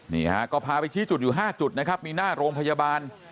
นี่ฮะก็พาไปชี้จุดอยู่๕จุดนะครับมีหน้าโรงพยาบาล